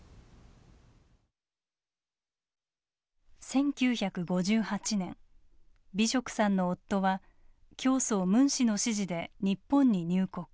１９５８年美植さんの夫は教祖ムン氏の指示で日本に入国。